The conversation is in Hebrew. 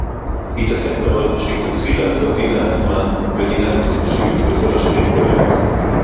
ייתכן מאוד שהיא תתחיל לעשות דין לעצמה ותנהג בחופשיות בכל אשר היא פועלת